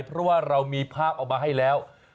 เพราะว่าเรามีภาพออกมาให้แล้ว